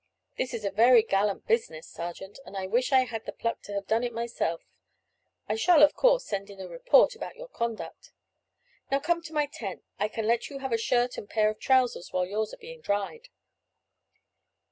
This is a very gallant business, sergeant, and I wish I had the pluck to have done it myself. I shall, of course, send in a report about your conduct. Now come to my tent. I can let you have a shirt and pair of trousers while yours are being dried."